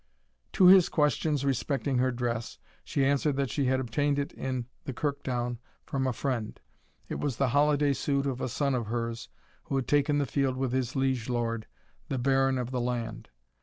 To his questions respecting her dress, she answered that she had obtained it in the Kirktown from a friend; it was the holiday suit of a son of hers, who had taken the field with his liege lord, the baron of the land.